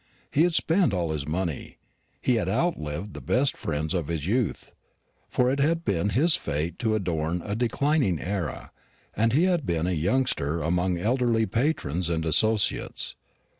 He had spent all his money, he had outlived the best friends of his youth; for it had been his fate to adorn a declining era, and he had been a youngster among elderly patrons and associates.